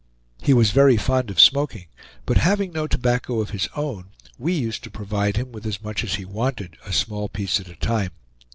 He was very fond of smoking; but having no tobacco of his own, we used to provide him with as much as he wanted, a small piece at a time.